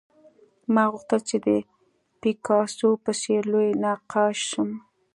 ما غوښتل چې د پیکاسو په څېر لوی نقاش شم